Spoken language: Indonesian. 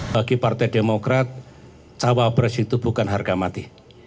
bagi partai demokrat cawa operasi itu bukan harga mati